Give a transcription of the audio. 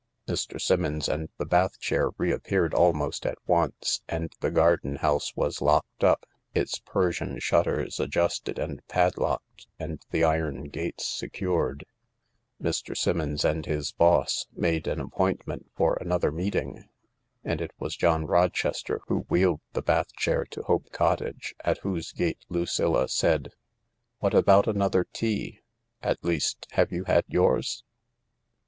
Mr. Simmons and the bath chair reappeared almost at oncfc, and the garden house was locked up, its Persian shutters adjusted and padlocked and the iron gates secured, Mr. Simmons and his " boss " made an appointment for anothef meeting, and it was John Rochester who wheeled the bath chair to Hope Cottage, at whose gate Lucilla said :" What about another tea ? At least, have vou had yours